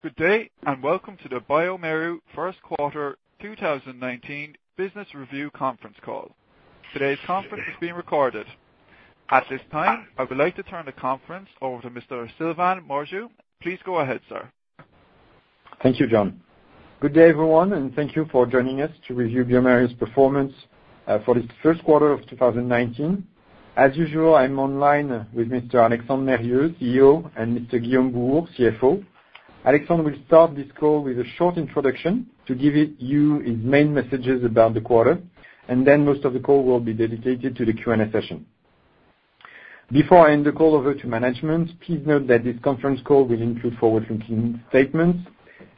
Good day, welcome to the bioMérieux first quarter 2019 business review conference call. Today's conference is being recorded. At this time, I would like to turn the conference over to Mr. Sylvain Morgeau. Please go ahead, sir. Thank you, John. Good day, everyone, thank you for joining us to review bioMérieux's performance for this first quarter of 2019. As usual, I'm online with Mr. Alexandre Mérieux, CEO, and Mr. Guillaume Bouhours, CFO. Alexandre will start this call with a short introduction to give you his main messages about the quarter, then most of the call will be dedicated to the Q&A session. Before I hand the call over to management, please note that this conference call will include forward-looking statements,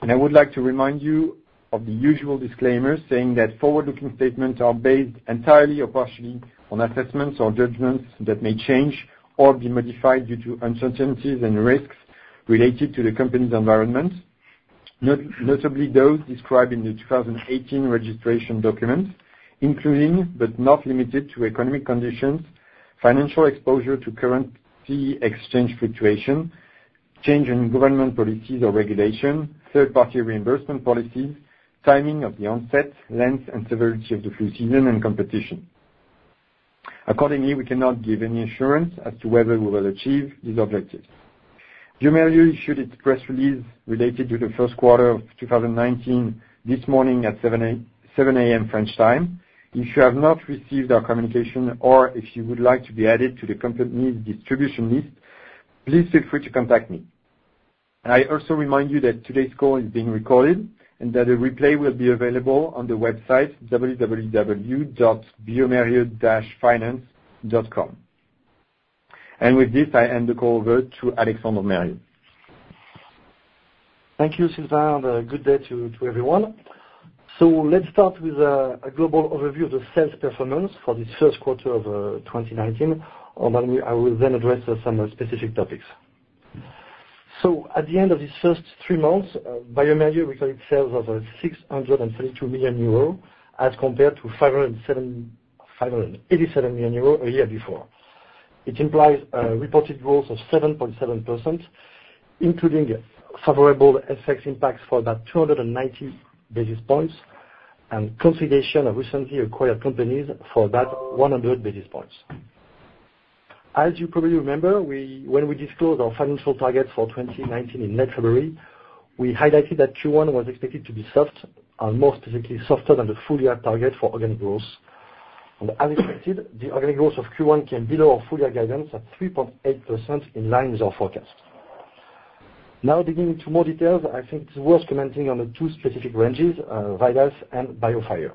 I would like to remind you of the usual disclaimer saying that forward-looking statements are based entirely or partially on assessments or judgments that may change or be modified due to uncertainties and risks related to the company's environment, notably those described in the 2018 registration documents, including but not limited to economic conditions, financial exposure to currency exchange fluctuation, change in government policies or regulation, third-party reimbursement policies, timing of the onset, length, and severity of the flu season and competition. Accordingly, we cannot give any assurance as to whether we will achieve these objectives. bioMérieux issued its press release related to the first quarter of 2019 this morning at 7:00 A.M. French time. If you have not received our communication or if you would like to be added to the company's distribution list, please feel free to contact me. I also remind you that today's call is being recorded that a replay will be available on the website www.biomerieux-finance.com. With this, I hand the call over to Alexandre Mérieux. Thank you, Sylvain. Good day to everyone. Let's start with a global overview of the sales performance for this first quarter of 2019. I will then address some specific topics. At the end of these first three months, bioMérieux recorded sales of 632 million euro as compared to 587 million euro a year before. It implies a reported growth of 7.7%, including favorable FX impacts for about 290 basis points and consideration of recently acquired companies for about 100 basis points. As you probably remember, when we disclosed our financial target for 2019 in February, we highlighted that Q1 was expected to be soft and more specifically softer than the full-year target for organic growth. As expected, the organic growth of Q1 came below our full-year guidance at 3.8% in line with our forecast. Now digging into more details, I think it's worth commenting on the two specific ranges, VIDAS and BioFire.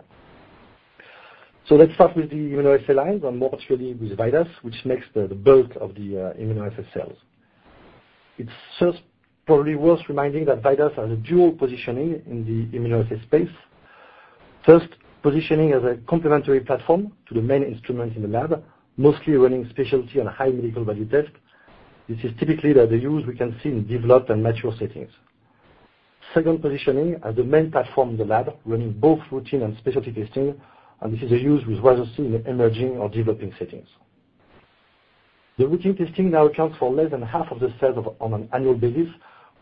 Let's start with the immunoassay line and more actually with VIDAS, which makes the bulk of the immunoassay sales. It's first probably worth reminding that VIDAS has a dual positioning in the immunoassay space. First, positioning as a complementary platform to the main instruments in the lab, mostly running specialty and high medical value test. This is typically the use we can see in developed and mature settings. Second positioning as the main platform in the lab, running both routine and specialty testing, and this is a use we rather see in emerging or developing settings. The routine testing now accounts for less than half of the sales on an annual basis,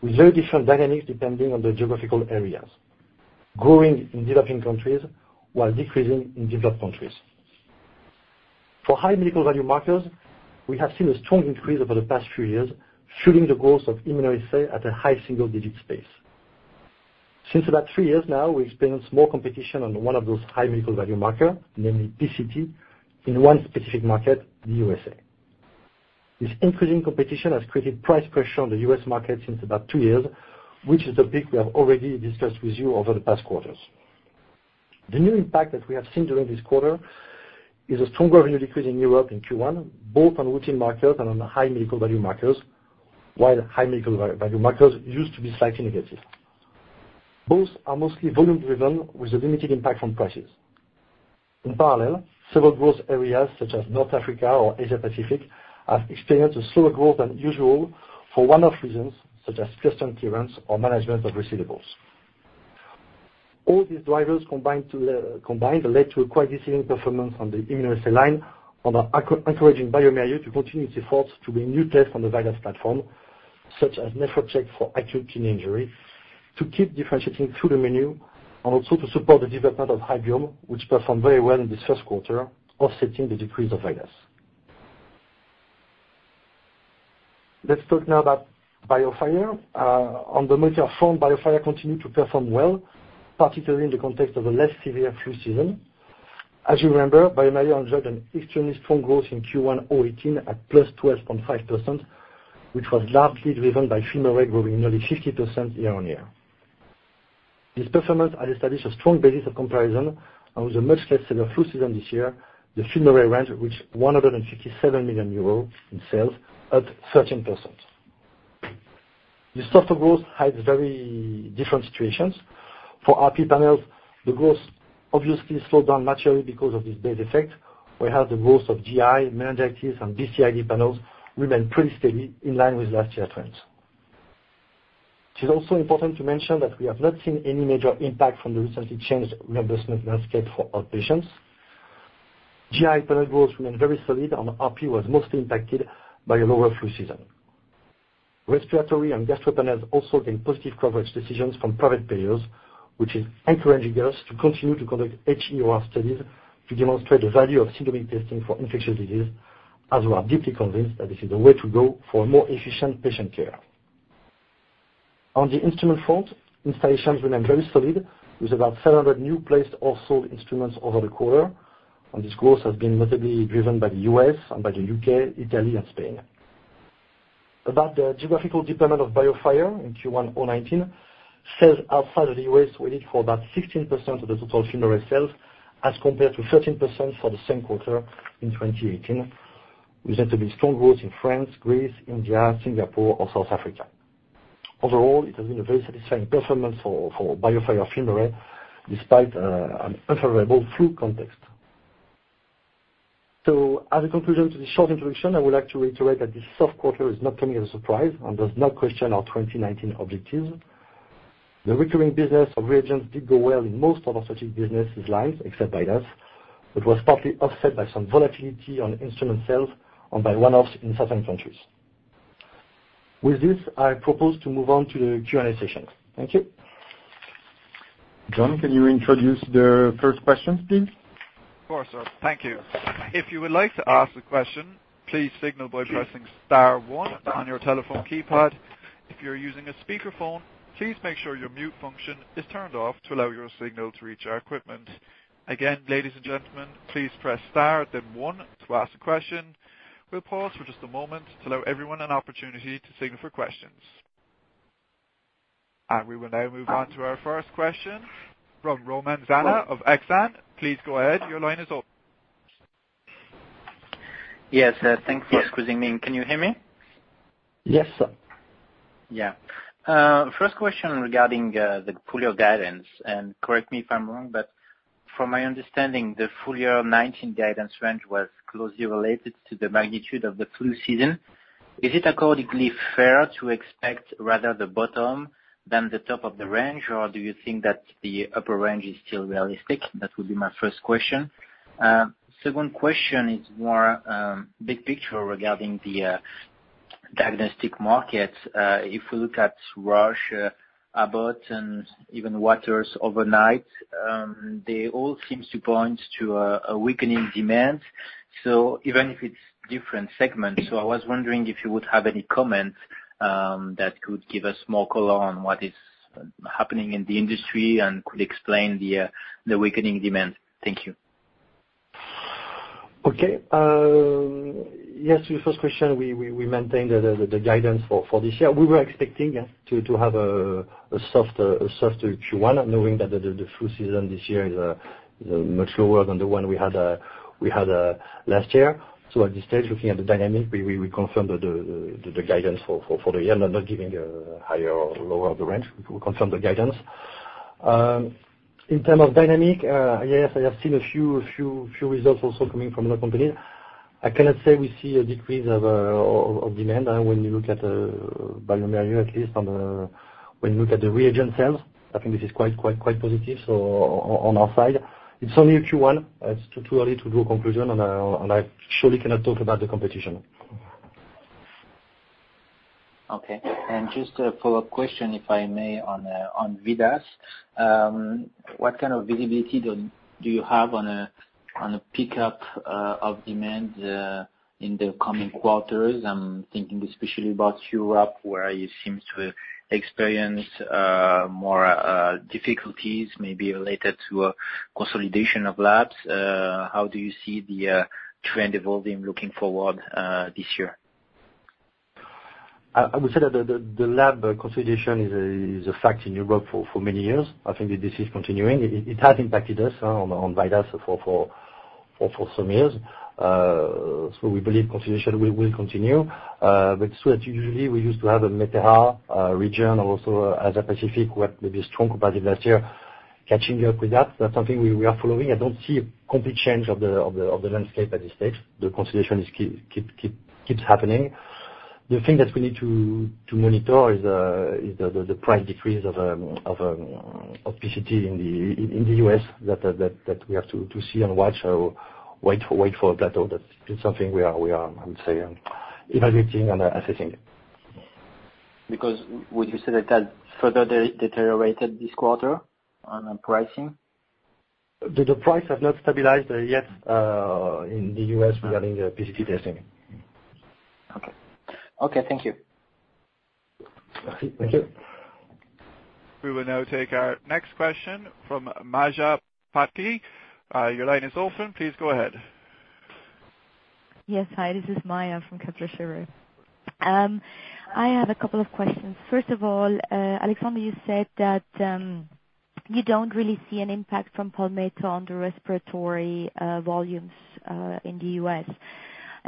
with very different dynamics depending on the geographical areas, growing in developing countries while decreasing in developed countries. For high medical value markers, we have seen a strong increase over the past few years, fueling the growth of immunoassay at a high single-digit pace. Since about three years now, we experienced more competition on one of those high medical value marker, namely PCT, in one specific market, the USA. This increasing competition has created price pressure on the U.S. market since about two years, which is the peak we have already discussed with you over the past quarters. The new impact that we have seen during this quarter is a stronger revenue decrease in Europe in Q1, both on routine markers and on high medical value markers, while high medical value markers used to be slightly negative. Both are mostly volume-driven with a limited impact on prices. In parallel, several growth areas such as North Africa or Asia Pacific have experienced a slower growth than usual for one-off reasons such as custom clearance or management of receivables. All these drivers combined led to a quite deceiving performance on the immunoassay line and are encouraging bioMérieux to continue its efforts to bring new tests on the VIDAS platform, such as NEPHROCHECK for acute kidney injury, to keep differentiating through the menu and also to support the development of Hybiome, which performed very well in this first quarter, offsetting the decrease of VIDAS. Let's talk now about BioFire. On the motor front, BioFire continued to perform well, particularly in the context of a less severe flu season. As you remember, bioMérieux enjoyed an extremely strong growth in Q1 2018 at +12.5%, which was largely driven by FilmArray growing nearly 50% year-on-year. This performance has established a strong basis of comparison on the much less severe flu season this year. The FilmArray range reached 157 million euros in sales at 13%. The softer growth hides very different situations. For RP panels, the growth obviously slowed down naturally because of this base effect, where the growth of GI, meningitis, and BCID panels remained pretty steady in line with last year trends. It is also important to mention that we have not seen any major impact from the recently changed reimbursement landscape for outpatients. GI panel growth remained very solid, RP was mostly impacted by a lower flu season. Respiratory and gastro panels also gained positive coverage decisions from private payers, which is encouraging us to continue to conduct HEOR studies to demonstrate the value of syndromic testing for infectious disease, as we are deeply convinced that this is the way to go for more efficient patient care. On the instrument front, installations remained very solid, with about 700 new placed or sold instruments over the quarter, and this growth has been notably driven by the U.S. and by the U.K., Italy, and Spain. About the geographical deployment of BioFire in Q1 2019, sales outside of the U.S. weighted for about 16% of the total FilmArray sales, as compared to 13% for the same quarter in 2018, with notably strong growth in France, Greece, India, Singapore, and South Africa. Overall, it has been a very satisfying performance for BioFire FilmArray, despite an unfavorable flu context. As a conclusion to this short introduction, I would like to reiterate that this soft quarter is not coming as a surprise and does not question our 2019 objectives. The recurring business of reagents did go well in most of our strategic businesses lines, except VIDAS, but was partly offset by some volatility on instrument sales and by one-offs in certain countries. With this, I propose to move on to the Q&A session. Thank you. John, can you introduce the first questions, please? Of course, sir. Thank you. If you would like to ask a question, please signal by pressing star one on your telephone keypad. If you're using a speakerphone, please make sure your mute function is turned off to allow your signal to reach our equipment. Again, ladies and gentlemen, please press star then one to ask a question. We'll pause for just a moment to allow everyone an opportunity to signal for questions. We will now move on to our first question from Romain Zana of Exane. Please go ahead. Your line is open. Yes. Thanks for squeezing me in. Can you hear me? Yes, sir. Yeah. First question regarding the full-year guidance, and correct me if I'm wrong, but from my understanding, the full year 2019 guidance range was closely related to the magnitude of the flu season. Is it accordingly fair to expect rather the bottom than the top of the range, or do you think that the upper range is still realistic? That would be my first question. Second question is more big picture regarding the diagnostic market. If we look at Roche, Abbott, and even Waters overnight, they all seem to point to a weakening demand. Even if it's different segments, so I was wondering if you would have any comments that could give us more color on what is happening in the industry and could explain the weakening demand. Thank you. Okay. Yes, to your first question, we maintain the guidance for this year. We were expecting to have a softer Q1, knowing that the flu season this year is much lower than the one we had last year. At this stage, looking at the dynamic, we confirm the guidance for the year. Not giving a higher or lower the range. We confirm the guidance. In terms of dynamic, yes, I have seen a few results also coming from other companies. I cannot say we see a decrease of demand when you look at bioMérieux, at least when you look at the reagent sales. I think this is quite positive on our side. It's only a Q1. It's too early to do a conclusion, and I surely cannot talk about the competition. Okay. Just a follow-up question, if I may, on VIDAS. What kind of visibility do you have on a pickup of demand in the coming quarters? I'm thinking especially about Europe, where you seem to experience more difficulties, maybe related to a consolidation of labs. How do you see the trend evolving looking forward this year? I would say that the lab consolidation is a fact in Europe for many years. I think that this is continuing. It has impacted us on VIDAS for some years. We believe consolidation will continue. Usually, we used to have a EMEA region, also Asia Pacific, who had maybe strong comparative last year, catching up with that. That's something we are following. I don't see a complete change of the landscape at this stage. The consolidation keeps happening. The thing that we need to monitor is the price decrease of PCT in the U.S. that we have to see and watch or wait for that. That is something we are, I would say, evaluating and assessing. Would you say that that further deteriorated this quarter on pricing? The price has not stabilized yet in the U.S. regarding the PCT testing. Okay. Thank you. Thank you. We will now take our next question from Maja Pataki. Your line is open. Please go ahead. Yes. Hi, this is Maja from Kepler Cheuvreux. I have a couple of questions. First of all, Alexandre, you said that you don't really see an impact from Palmetto on the respiratory volumes in the U.S.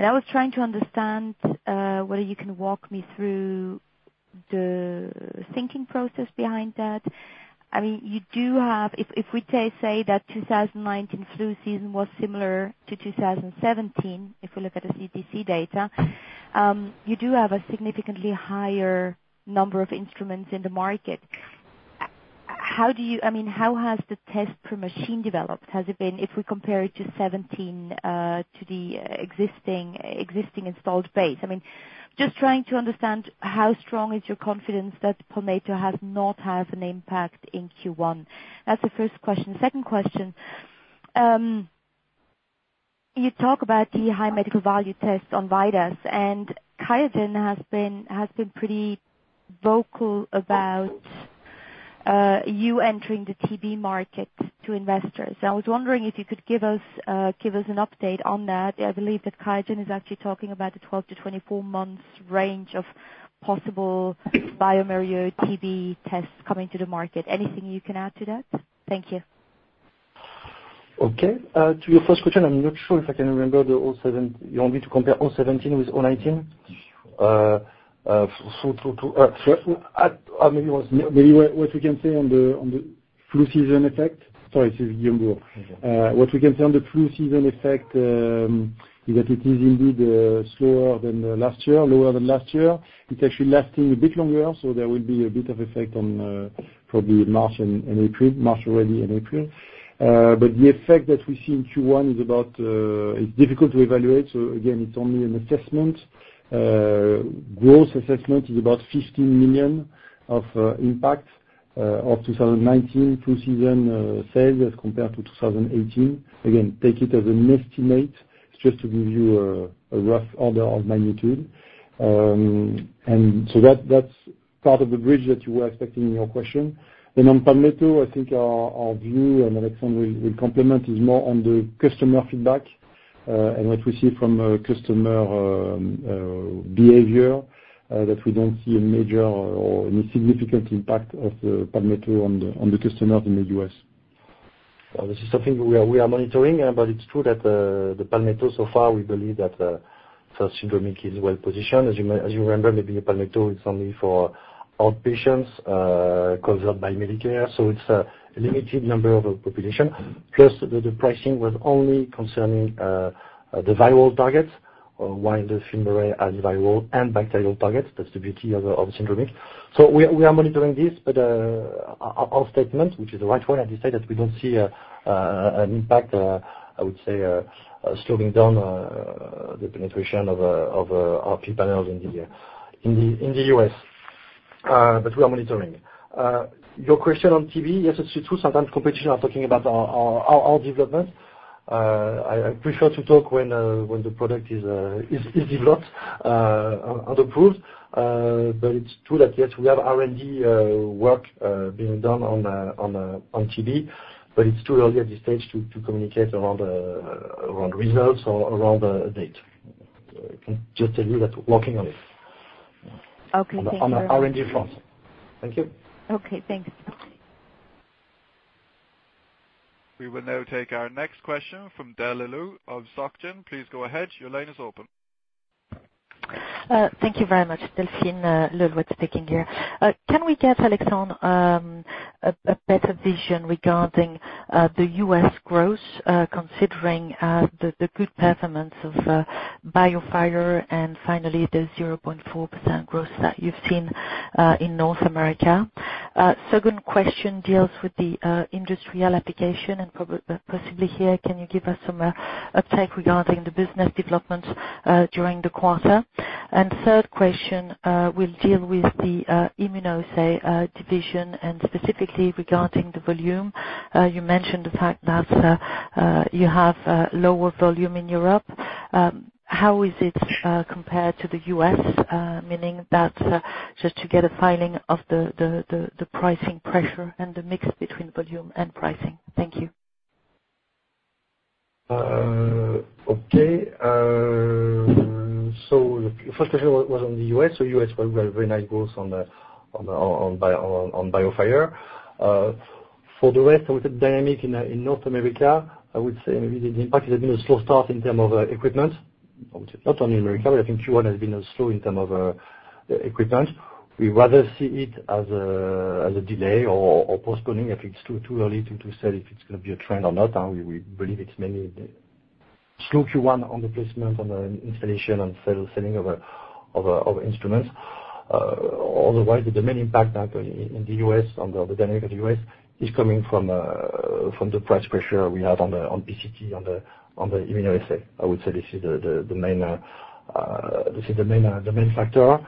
I was trying to understand whether you can walk me through the thinking process behind that. If we say that 2019 flu season was similar to 2017, if we look at the CDC data, you do have a significantly higher number of instruments in the market. How has the test per machine developed? Has it been, if we compare it to 2017, to the existing installed base? Just trying to understand how strong is your confidence that Palmetto has not had an impact in Q1. That's the first question. Second question. You talk about the high medical value test on VIDAS. Qiagen has been pretty vocal about you entering the TB market to investors. I was wondering if you could give us an update on that. I believe that Qiagen is actually talking about the 12-24 months range of possible bioMérieux TB tests coming to the market. Anything you can add to that? Thank you. Okay. To your first question, I'm not sure if I can remember the all seven. You want me to compare all 2017 with all 2019? Maybe what we can say on the flu season effect. Sorry, this is Guillaume. What we can say on the flu season effect is that it is indeed slower than last year, lower than last year. It's actually lasting a bit longer, so there will be a bit of effect on probably March already and April. The effect that we see in Q1 is difficult to evaluate. Again, it's only an assessment. Growth assessment is about 15 million of impact of 2019 flu season sales as compared to 2018. Again, take it as an estimate. It's just to give you a rough order of magnitude. That's part of the bridge that you were expecting in your question. On Palmetto, I think our view, and Alexandre will complement, is more on the customer feedback, and what we see from customer behavior, that we don't see a major or any significant impact of the Palmetto on the customer in the U.S. This is something we are monitoring. It's true that the Palmetto so far, we believe that Syndromics is well-positioned. As you remember, maybe Palmetto is only for outpatients covered by Medicare, so it's a limited number of the population. Plus, the pricing was only concerning the viral targets, while the FilmArray has viral and bacterial targets. That's the beauty of Syndromics. We are monitoring this, but our statement, which is the right way, I decide that we don't see an impact, I would say, slowing down the penetration of our panels in the U.S. We are monitoring. Your question on TB. Yes, it's true. Sometimes competition are talking about our development. I prefer to talk when the product is developed and approved. It's true that, yes, we have R&D work being done on TB, but it's too early at this stage to communicate around results or around the date. I can just tell you that we're working on it. Okay. Thank you. On the R&D front. Thank you. Okay. Thanks. We will now take our next question from Delilou of SocGen. Please go ahead. Your line is open. Thank you very much. Delphine Le Louet speaking here. Can we get, Alexandre, a better vision regarding the U.S. growth, considering the good performance of BioFire and finally the 0.4% growth that you've seen in North America? Second question deals with the industrial application and possibly here, can you give us some update regarding the business development during the quarter? Third question will deal with the immunoassay division, specifically regarding the volume. You mentioned the fact that you have lower volume in Europe. How is it compared to the U.S.? Meaning that, just to get a feeling of the pricing pressure and the mix between volume and pricing. Thank you. Okay. First question was on the U.S. U.S., we have very nice growth on BioFire. For the rest of the dynamic in North America, I would say maybe the impact has been a slow start in term of equipment. Not only America, but I think Q1 has been slow in term of equipment. We rather see it as a delay or postponing, if it's too early to say if it's going to be a trend or not. We believe it's mainly slow Q1 on the placement, on the installation and selling of instruments. Otherwise, the main impact in the U.S., on the dynamic of the U.S., is coming from the price pressure we have on PCT, on the immunoassay. I would say this is the main factor.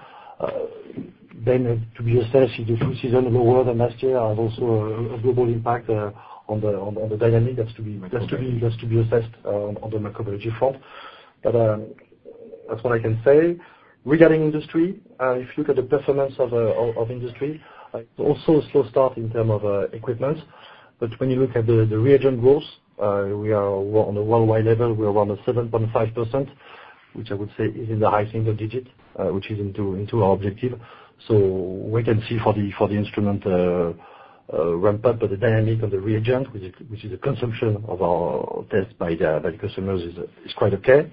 To be assessed, if the flu season lower than last year have also a global impact on the dynamic. That's to be assessed on the microbiology front. That's what I can say. Regarding industry, if you look at the performance of industry, it's also a slow start in term of equipment. When you look at the reagent growth, on a worldwide level, we are around the 7.5%, which I would say is in the high single digit, which is into our objective. We can see for the instrument ramp-up of the dynamic of the reagent, which is the consumption of our tests by customers is quite okay.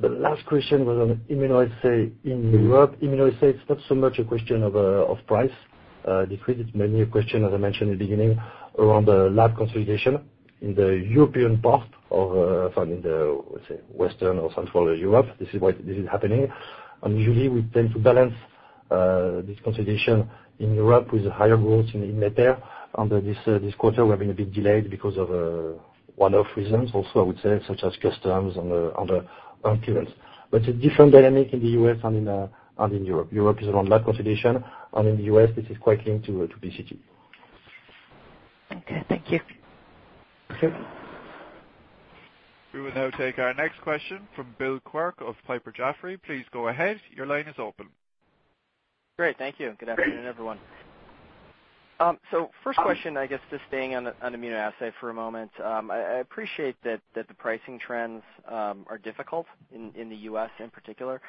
The last question was on immunoassay in Europe. Immunoassay is not so much a question of price decrease. It's mainly a question, as I mentioned in the beginning, around the lab consolidation. In let's say Western or Central Europe, this is happening. Usually we tend to balance this consolidation in Europe with higher growth in [AMET]. Under this quarter, we have been a bit delayed because of one-off reasons also, I would say, such as customs and other elements. A different dynamic in the U.S. and in Europe. Europe is around lab consolidation, and in the U.S., this is quite linked to PCT. Okay, thank you. Okay. We will now take our next question from Bill Quirk of Piper Jaffray. Please go ahead. Your line is open. Great. Thank you. Good afternoon, everyone. First question, I guess just staying on immunoassay for a moment. I appreciate that the pricing trends are difficult in the U.S. in particular.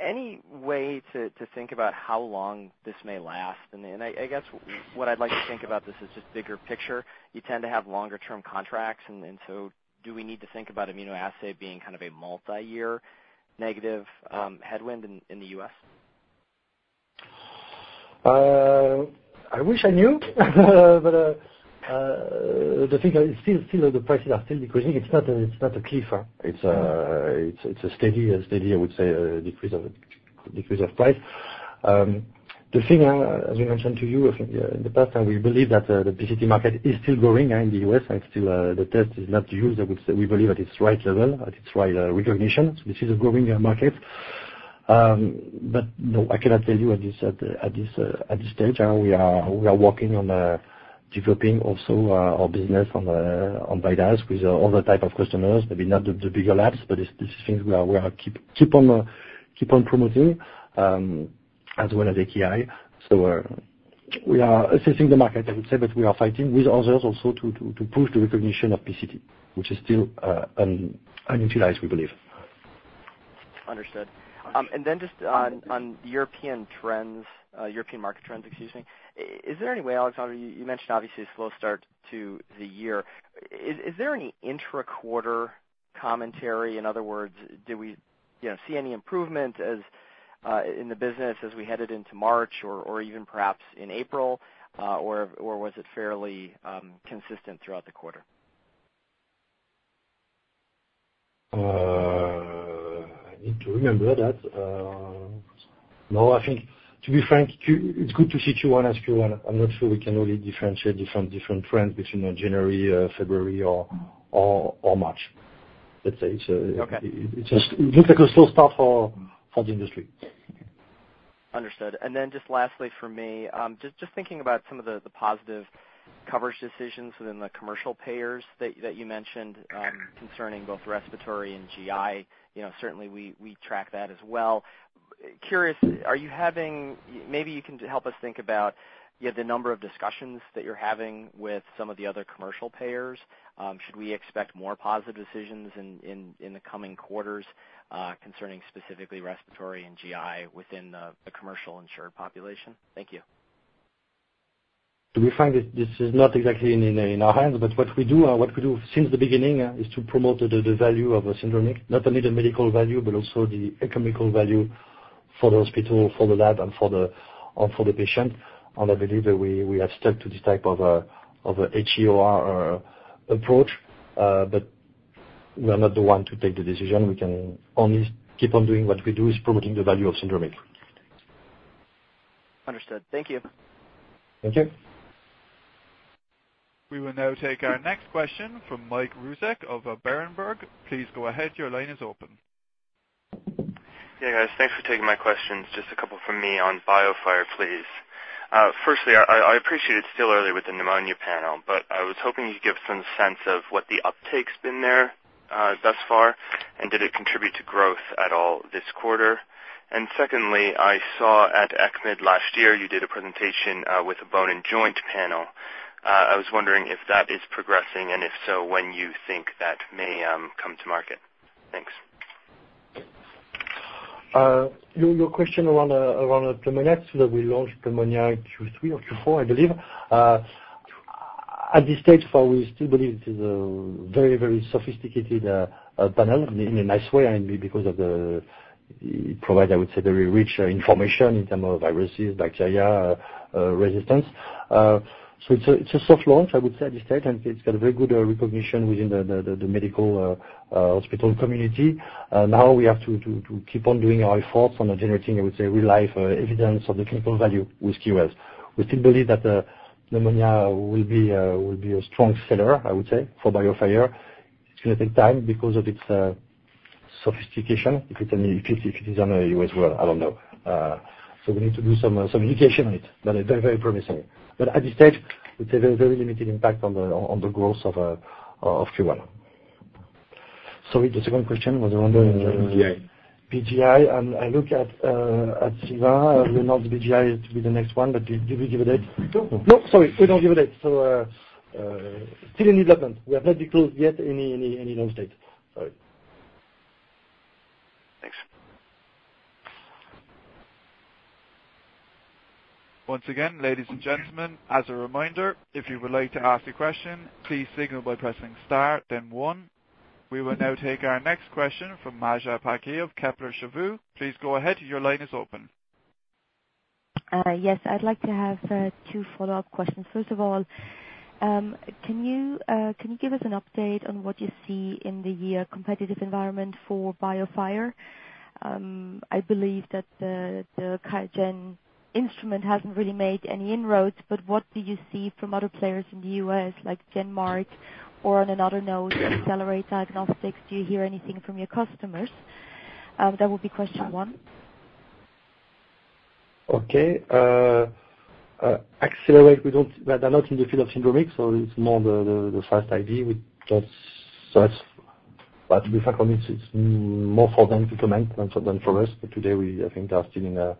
Any way to think about how long this may last? I guess what I'd like to think about this is just bigger picture. You tend to have longer-term contracts, do we need to think about immunoassay being kind of a multi-year negative headwind in the U.S.? I wish I knew. The thing is still the prices are still decreasing. It's not a cliff. It's a steady, I would say, decrease of price. The thing, as I mentioned to you in the past, and we believe that the PCT market is still growing in the U.S., and still the test is not used, we believe, at its right level, at its right recognition. This is a growing market. No, I cannot tell you at this stage. We are working on developing also our business on VIDAS with other type of customers. Maybe not the bigger labs, but this is things we keep on promoting, as well as AKI. We are assessing the market, I would say, but we are fighting with others also to prove the recognition of PCT, which is still unutilized, we believe. Understood. Just on European market trends. Is there any way, Alexandre, you mentioned obviously a slow start to the year. Is there any intra-quarter commentary? In other words, do we see any improvement in the business as we headed into March or even perhaps in April? Or was it fairly consistent throughout the quarter? I need to remember that. No, I think, to be frank, it's good to Q1 as Q1. I'm not sure we can only differentiate different trends between January, February, or March. Okay. It just looks like a slow start for the industry. Understood. Just lastly for me, just thinking about some of the positive coverage decisions within the commercial payers that you mentioned concerning both respiratory and GI. Certainly, we track that as well. Curious, maybe you can help us think about the number of discussions that you're having with some of the other commercial payers. Should we expect more positive decisions in the coming quarters concerning specifically respiratory and GI within the commercial insured population? Thank you. Do we find that this is not exactly in our hands, but what we do since the beginning is to promote the value of syndromic, not only the medical value, but also the economical value for the hospital, for the lab, and for the patient. I believe that we have stuck to this type of a HEOR approach, we are not the one to take the decision. We can only keep on doing what we do, is promoting the value of syndromic. Understood. Thank you. Thank you. We will now take our next question from Mike Rusek] of Berenberg. Please go ahead. Your line is open. Yeah, guys, thanks for taking my questions. Just a couple from me on BioFire, please. Firstly, I appreciate it's still early with the pneumonia panel, but I was hoping you'd give some sense of what the uptake's been there thus far, and did it contribute to growth at all this quarter? Secondly, I saw at ECCMID last year, you did a presentation with a bone and joint panel. I was wondering if that is progressing, and if so, when you think that may come to market. Thanks. Your question around pneumonia, that we launched pneumonia Q3 or Q4, I believe. At this stage, we still believe it is a very sophisticated panel in a nice way because it provide, I would say, very rich information in term of viruses, bacteria resistance. It's a soft launch, I would say, at this stage, and it's got a very good recognition within the medical hospital community. Now we have to keep on doing our efforts on generating, I would say, real life evidence of the clinical value with KOLs. We still believe that the pneumonia will be a strong seller, I would say, for BioFire. It's going to take time because of its sophistication. If it is on a U.S. world, I don't know. We need to do some education on it, but very promising. At this stage, it's a very limited impact on the growth of Q1. Sorry, the second question was around- BJI. BJI. I look at Siva. We announced BJI to be the next one, did we give a date? We don't. No, sorry. We don't give a date. Still in development. We have not closed yet any launch date. Sorry. Thanks. Once again, ladies and gentlemen, as a reminder, if you would like to ask a question, please signal by pressing star then one. We will now take our next question from Maja Pataki of Kepler Cheuvreux. Please go ahead. Your line is open. Yes, I'd like to have two follow-up questions. First of all, can you give us an update on what you see in the competitive environment for BioFire? I believe that the Qiagen instrument hasn't really made any inroads, but what do you see from other players in the U.S., like GenMark, or on another note, Accelerate Diagnostics? Do you hear anything from your customers? That would be question one. Accelerate, they're not in the field of syndromic, so it's more the Fast AST. To be frank, it's more for them to comment than for us. Today, we, I think, are still in the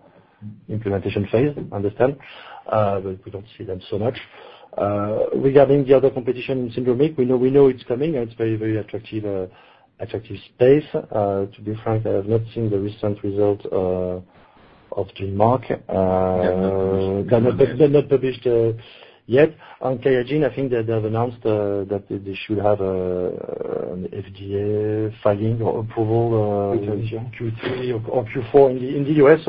implementation phase, I understand. We don't see them so much. Regarding the other competition in syndromic, we know it's coming, and it's a very attractive space. To be frank, I have not seen the recent result of GenMark. Yeah. They're not published yet. On Qiagen, I think they have announced that they should have an FDA filing or approval- Kaijen Q3 or Q4 in the U.S.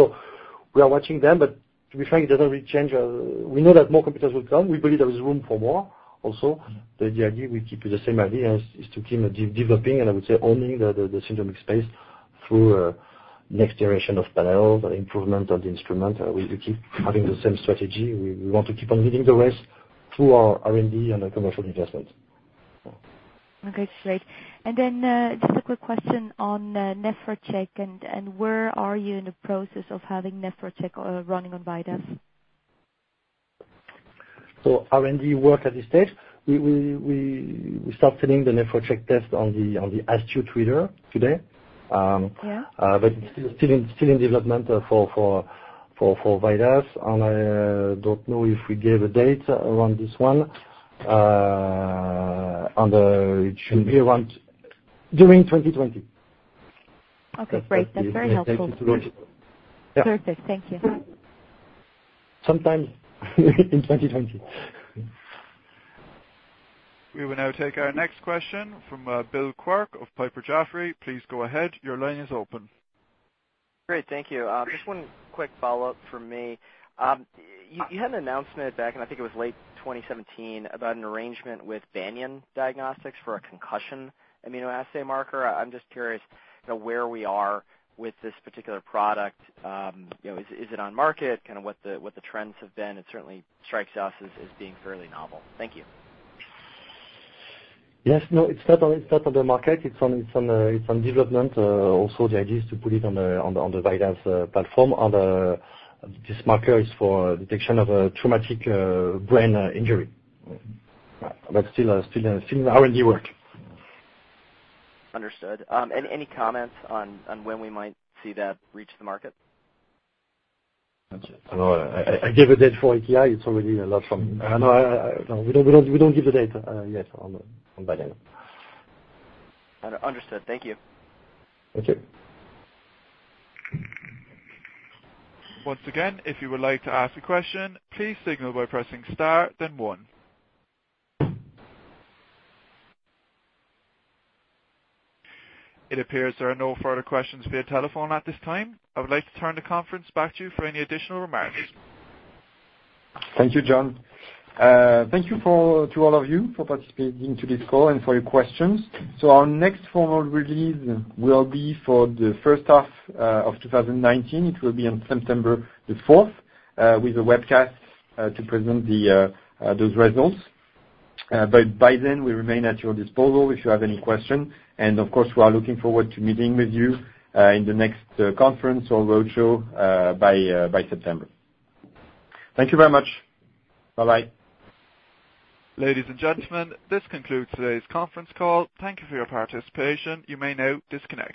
We are watching them, to be frank, it doesn't really change. We know that more competitors will come. We believe there is room for more, also. The idea, we keep the same idea, is to keep developing, and I would say, owning the syndromic space through next generation of panels or improvement of the instrument. We keep having the same strategy. We want to keep on leading the race through our R&D and our commercial investments. Okay, great. Then just a quick question on NephroCheck, and where are you in the process of having NephroCheck running on VIDAS? R&D work at this stage, we start fitting the NephroCheck test on the Astute140 Meter today. Yeah. It's still in development for VIDAS, and I don't know if we gave a date around this one. It should be during 2020. Okay, great. That's very helpful. That will be helpful to launch it. Yeah. Perfect. Thank you. Sometime in 2020. We will now take our next question from Bill Quirk of Piper Jaffray. Please go ahead. Your line is open. Great. Thank you. Just one quick follow-up from me. You had an announcement back in, I think it was late 2017, about an arrangement with Banyan Biomarkers for a concussion immunoassay marker. I'm just curious where we are with this particular product. Is it on market? Kind of what the trends have been. It certainly strikes us as being fairly novel. Thank you. Yes. No, it's not on the market. It's on development. Also, the idea is to put it on the VIDAS platform. This marker is for detection of traumatic brain injury. Still R&D work. Understood. Any comments on when we might see that reach the market? No. I gave a date for AKI. It's already a lot. We don't give the date yet on Banyan. Understood. Thank you. Thank you. Once again, if you would like to ask a question, please signal by pressing star then one. It appears there are no further questions via telephone at this time. I would like to turn the conference back to you for any additional remarks. Thank you, John. Thank you to all of you for participating to this call and for your questions. Our next formal release will be for the first half of 2019. It will be on September the 4th, with a webcast to present those results. By then, we remain at your disposal if you have any question. Of course, we are looking forward to meeting with you in the next conference or roadshow by September. Thank you very much. Bye-bye. Ladies and gentlemen, this concludes today's conference call. Thank you for your participation. You may now disconnect.